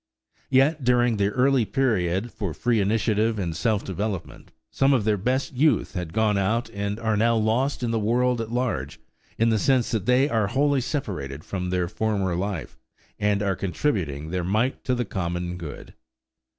Yet during the early period of free initiative and self development, some of their best youth had gone out and are now lost in the world at large, in the sense that they are wholly separated from their former life, and are contributing their mite to the common good.